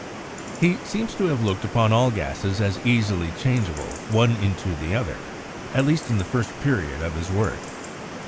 He seems to have looked upon all gases as easily changeable, one into the other, at least in the first period of his work.